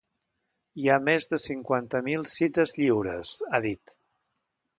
“Hi ha més de cinquanta mil cites lliures”, ha dit.